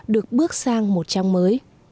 được bước sang một trang mới